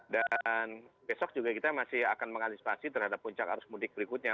dan besok juga kita masih akan mengantisipasi terhadap puncak arus mudik berikutnya